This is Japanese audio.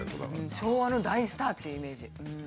昭和の大スターっていうイメージ。